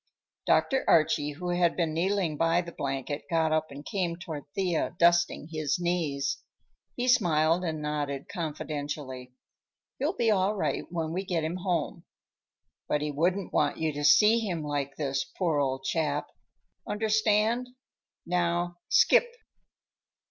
Dr. Archie, who had been kneeling by the blanket, got up and came toward Thea, dusting his knees. He smiled and nodded confidentially. "He'll be all right when we get him home. But he wouldn't want you to see him like this, poor old chap! Understand? Now, skip!"